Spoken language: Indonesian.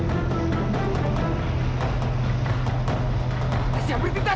dan gila juga gak terlalu gila